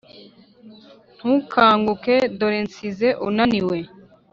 ntukanguke dore nsize unaniwe.